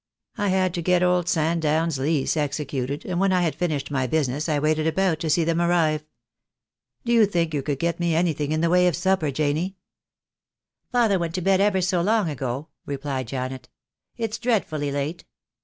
I had to get old Sandown's lease executed, and when I had finished my business I waited about to see them arrive. Do you think you could get me anything in the way of supper, Janie?" "Father went to bed ever so long ago," replied Janet; "it's dreadfully late."